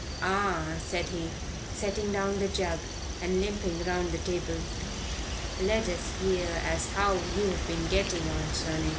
"Ah," said he, setting down the jug and limping round the table, "let us hear as how you've been getting on, sonny."